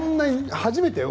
初めてだよ